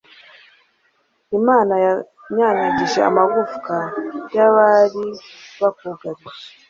Imana yanyanyagije amagufwa y’abari bakugarije